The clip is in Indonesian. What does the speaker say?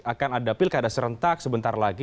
akan ada pilkada serentak sebentar lagi